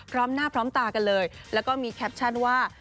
พร้อมหน้าพร้อมตากันเลยแล้วก็มีแคปชั่นว่า